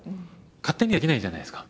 勝手にはできないじゃないですか。